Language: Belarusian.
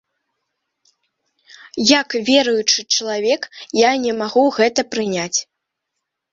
Як веруючы чалавек я не магу гэта прыняць.